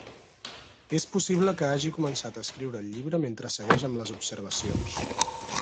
És possible que hagi començat a escriure el llibre mentre segueix amb les observacions.